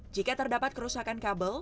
jika terdapat kerusakan kabel